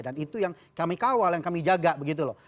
dan itu yang kami kawal yang kami jaga begitu loh